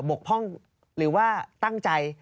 กพ่องหรือว่าตั้งใจ